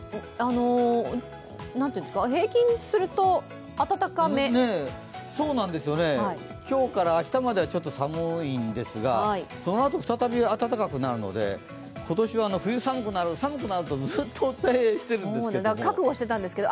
平均すると、暖かめ今日から明日まではちょっと寒いんですが、そのあと再び暖かくなるので今年は冬寒くなる寒くなるとずっとお伝えしてたんですけど。